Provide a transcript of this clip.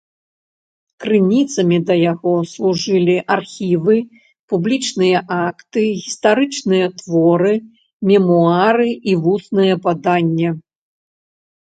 Крыніцамі для яго служылі архівы, публічныя акты, гістарычныя творы, мемуары і вуснае паданне.